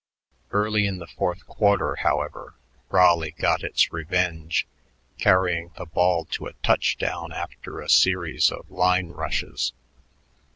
Early in the fourth quarter, however, Raleigh got its revenge, carrying the ball to a touch down after a series of line rushes.